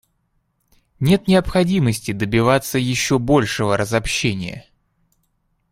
Нет необходимости добиваться еще большего разобщения.